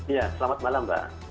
iya selamat malam mbak